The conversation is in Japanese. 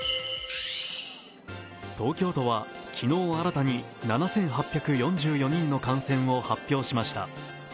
東京都は昨日新たに７８４４人の感染を発表しました。